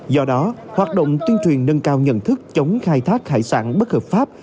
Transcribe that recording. do đó hoạt động tuyên truyền nâng cao nhận thức chống khai thác hải sản bất hợp pháp